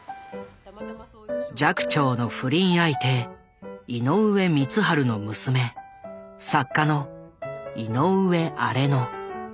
寂聴の不倫相手井上光晴の娘作家の井上荒野。